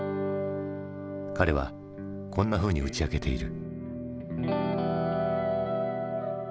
彼はこんなふうに打ち明けている。